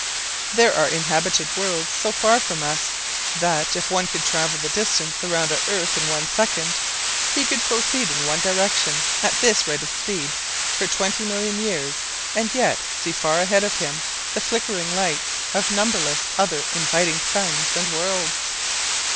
There are inhabited worlds so far from us that, if one could travel the distance around our Earth in one second, he could proceed in one direction, at this rate of speed, for twenty million years and yet see far ahead of him the flickering lights of numberless other inviting suns and worlds.